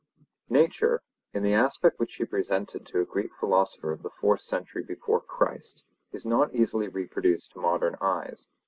Nature in the aspect which she presented to a Greek philosopher of the fourth century before Christ is not easily reproduced to modern eyes.